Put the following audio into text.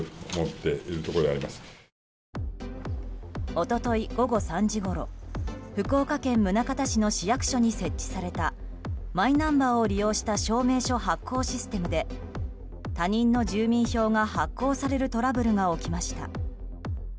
一昨日、午後３時ごろ福岡県宗像市の市役所に設置されたマイナンバーを利用した証明書発行システムで他人の住民票が発行されるトラブルが起きました。